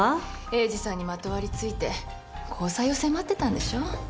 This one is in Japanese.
栄治さんにまとわりついて交際を迫ってたんでしょう？